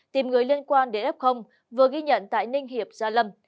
tìm người liên quan đến f vừa ghi nhận tại ninh hiệp gia lâm